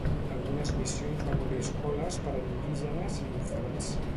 Algunes missions van obrir escoles per a indígenes i orfenats.